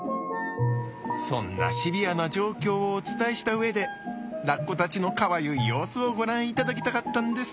そんなシビアな状況をお伝えした上でラッコたちのかわゆい様子をご覧いただきたかったんです。